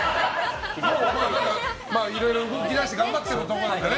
いろいろ動き出して頑張ってるところだもんね。